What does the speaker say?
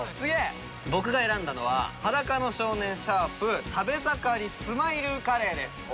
僕が選んだのは♯裸の少年食べ盛りスマイルカレーです。